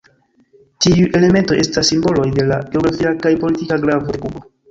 Tiuj elementoj estas simboloj de la geografia kaj politika gravo de Kubo.